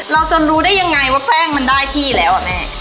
เราจะรู้ได้ยังไงว่าแป้งมันได้ที่แล้วอ่ะแม่